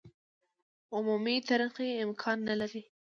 عمومي ترقي امکان نه لري.